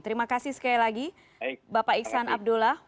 terima kasih sekali lagi bapak iksan abdullah